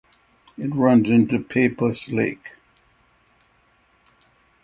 It runs into Peipus Lake.